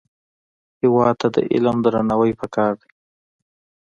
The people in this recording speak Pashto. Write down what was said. هېواد ته د علم درناوی پکار دی